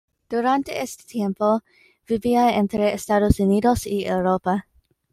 Durante este tiempo, vivía entre Estados Unidos y Europa.